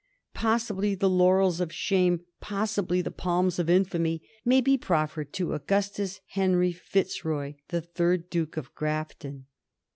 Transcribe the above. Possibly the laurels of shame, possibly the palms of infamy may be proffered to Augustus Henry Fitzroy, third Duke of Grafton.